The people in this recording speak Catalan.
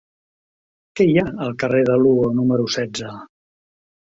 Què hi ha al carrer de Lugo número setze?